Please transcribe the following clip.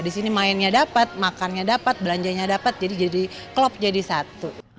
di sini mainnya dapat makannya dapat belanjanya dapat jadi klop jadi satu